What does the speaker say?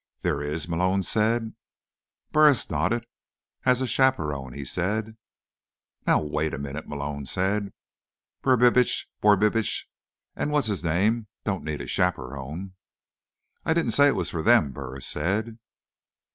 "There is?" Malone said. Burris nodded. "As a chaperone," he said. "Now, wait a minute," Malone said. "Brubitsch, Borbitsch and what's his name don't need a chaperone." "I didn't say it was for them," Burris said.